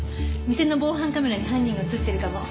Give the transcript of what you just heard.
店の防犯カメラに犯人が映っているかも。